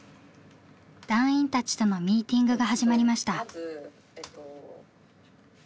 団員たちとのミーティングが始まりました。